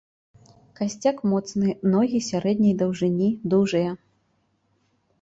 Касцяк моцны, ногі сярэдняй даўжыні, дужыя.